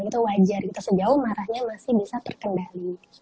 itu wajar gitu sejauh marahnya masih bisa terkendali